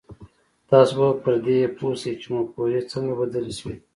تاسې به پر دې پوه شئ چې مفکورې څنګه بدلې شوې.